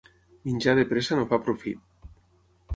Menjar de pressa no fa profit.